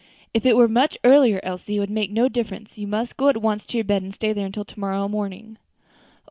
"If it were much earlier, Elsie, it would make no difference; you must go at once to your bed, and stay there until to morrow morning."